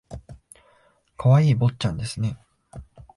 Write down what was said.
可愛い坊ちゃんですね